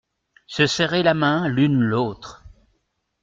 Se serrer la main l’une l’autre.